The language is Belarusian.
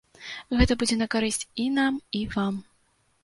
Гэта будзе на карысць і нам, і вам.